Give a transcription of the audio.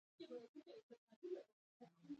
افغانستان په کلي باندې تکیه لري.